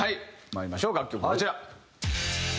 楽曲こちら。